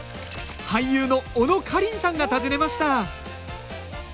俳優の小野花梨さんが訪ねました